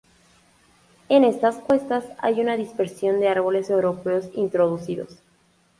En estas cuestas hay una dispersión de árboles europeos introducidos.